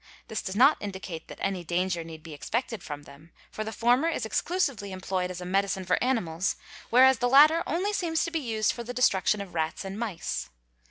This does not indicate that any danger need be expected from them, for the former is exclusively employed as a medicine for animals, whereas | the latter only seems to be used for the destruction of rats and mice.